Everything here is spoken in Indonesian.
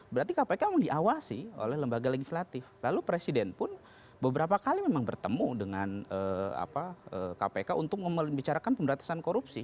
berarti kpk mau diawasi oleh lembaga legislatif lalu presiden pun beberapa kali memang bertemu dengan kpk untuk membicarakan pemberantasan korupsi